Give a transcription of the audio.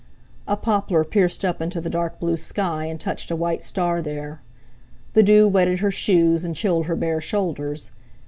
A poplar pierced up into the dark blue sky and touched a white star there. The dew wetted her shoes, and chilled her bare shoulders.